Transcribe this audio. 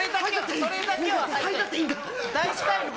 それだけは。